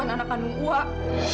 aku bukan anak anakmu wak